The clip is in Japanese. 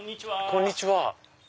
こんにちは。